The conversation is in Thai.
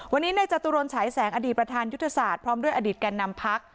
วันนี้ในจตุรนฉายแสงอดีตประธานยุทธศาสตร์พร้อมด้วยอดีตแก่นำพัก